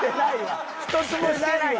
一つもしてないよ。